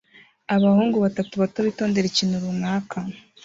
Abahungu batatu bato bitondera ikintu runaka